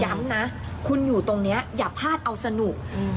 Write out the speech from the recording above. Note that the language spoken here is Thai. ย้ำนะคุณอยู่ตรงนี้อย่าพลาดเอาสนุก